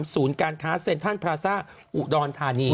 ศูนย์การค้าเซ็นทรัลพราซ่าอุดอนธานี